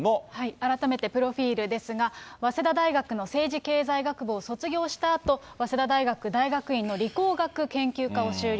改めてプロフィールですが、早稲田大学の政治経済学部を卒業したあと、早稲田大学大学院の理工学研究科の修了。